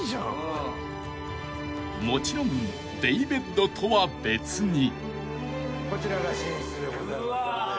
［もちろんデイベッドとは別に］